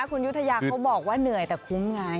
คุณยุธยาเขาบอกว่าเหนื่อยแต่คุ้มไง